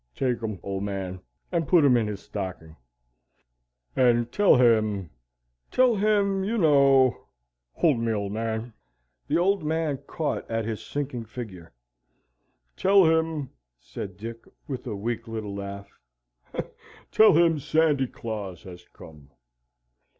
... Take 'em, Old Man, and put 'em in his stocking, and tell him tell him, you know hold me, Old Man " The Old Man caught at his sinking figure. "Tell him," said Dick, with a weak little laugh, "tell him Sandy Claus has come."